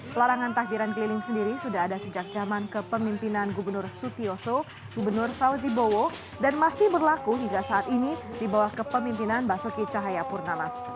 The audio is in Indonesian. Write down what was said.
pelarangan takbiran keliling sendiri sudah ada sejak zaman kepemimpinan gubernur sutioso gubernur fauzi bowo dan masih berlaku hingga saat ini di bawah kepemimpinan basuki cahayapurnama